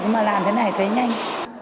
nhưng mà làm thế này thấy nhanh